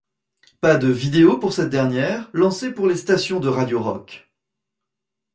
Pas de vidéo pour cette dernière, lancée pour les stations de radio rock.